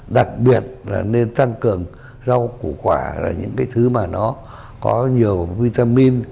đặc biệt là nên tăng cường rau củ quả là những cái thứ mà nó có nhiều vitamin